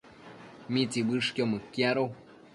¿mitsiuëshquio mëquiado?